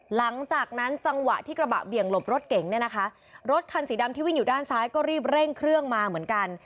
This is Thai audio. หลังจากนั้นจังหวะที่กระบะเบี่ยงหลบรถเก๋งเนี่ยนะคะรถคันสีดำที่วิ่งอยู่ด้านซ้ายก็รีบเร่งเครื่องมาเหมือนกัน